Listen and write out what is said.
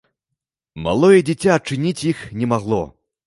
Малое дзіця адчыніць іх не магло.